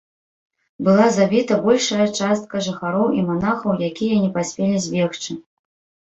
Была забіта большая частка жыхароў і манахаў, якія не паспелі збегчы.